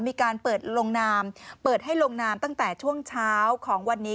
มีการเปิดลงนามเปิดให้ลงนามตั้งแต่ช่วงเช้าของวันนี้